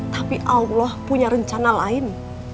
tapi allah punya rencana lain